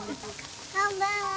こんばんは。